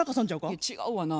いや違うわな。